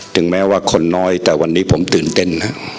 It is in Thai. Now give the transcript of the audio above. ถึงแม้ว่าคนน้อยแต่วันนี้ผมตื่นเต้น